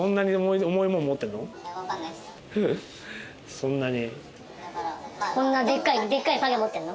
そんなに。